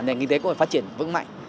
nền kinh tế cũng phải phát triển vững mạnh